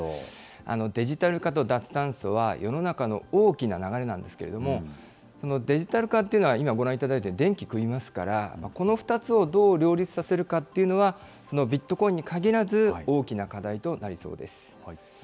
デジタル化と脱炭素は世の中の大きな流れなんですけれども、デジタル化というのは今、ご覧いただいたように電気食いますから、この２つをどう両立させるかというのは、そのビットコインにかぎらず大きな課題となりそうです。